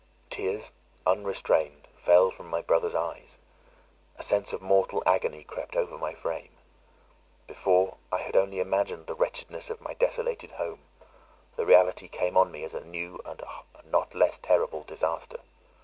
Tears, unrestrained, fell from my brother's eyes; a sense of mortal agony crept over my frame. Before, I had only imagined the wretchedness of my desolated home; the reality came on me as a new, and a not less terrible, disaster.